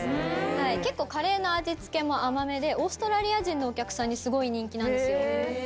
結構カレーの味付けも甘めでオーストラリア人のお客さんにすごい人気なんですよ。